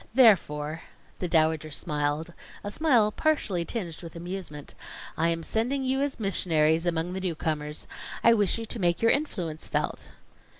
Therefore " The Dowager smiled, a smile partially tinged with amusement "I am sending you as missionaries among the newcomers. I wish you to make your influence felt."